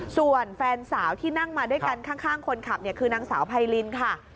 ส่วนแฟนสาวที่นั่งมาด้วยกันข้างคนขับคือนางสาวไพรินค่ะ